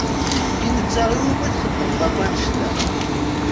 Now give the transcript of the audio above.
I netta i wumi txedmeḍ akk annect-a?